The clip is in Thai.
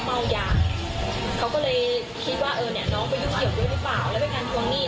มรณยางหรือเปล่า